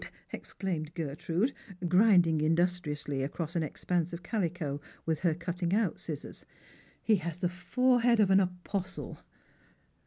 " exclaimed Gertrude, grinding industriously across an expanse of calico with her cutting out scissors. " He has the forehead of an apostle."